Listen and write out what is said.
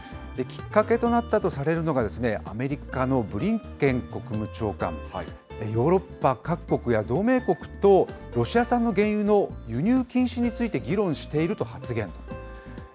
きっかけとなったとされるのが、アメリカのブリンケン国務長官、ヨーロッパ各国や同盟国とロシア産の原油の輸入禁止について議論していると発言。